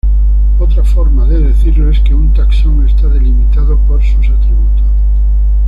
Otra forma de decirlo es que un taxón está "delimitado" por sus atributos.